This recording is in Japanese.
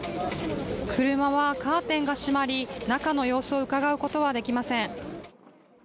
車はカーテンが閉まり、中の様子をうかがうことはできません。